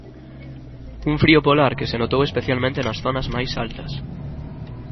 Un frío polar que se notou especialmente nas zonas máis altas.